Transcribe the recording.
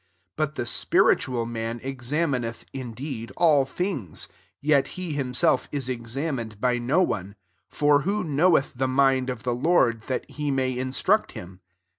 15 But the spiritual man examineth, [indeed,] all things ; yet he himself IS examined by no one. 16 For who knoweth the mind of the Lord, that he may in struct him